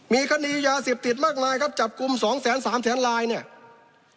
มีคดียาเสพติดมากมายครับจับกลุ่ม๒๓แสนลายเนี่ย